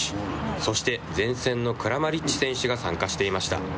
そして、前線のクラマリッチ選手が参加していました。